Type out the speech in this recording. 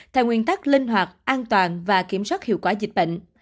theo nguyên tắc linh hoạt an toàn và kiểm soát hiệu quả dịch bệnh